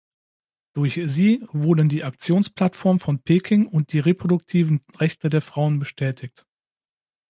Durch sie wurden die Aktionsplattform von Peking und die reproduktiven Rechte der Frauen bestätigt.